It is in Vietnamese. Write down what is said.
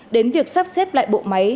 đến việc sắp xếp lại bộ máy